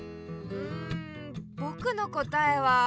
んぼくのこたえは。